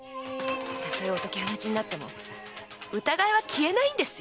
たとえお解き放ちになっても疑いは消えないんですよ！